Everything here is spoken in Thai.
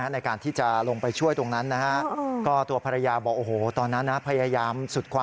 ในการที่จะลงไปช่วยตรงนั้นนะฮะ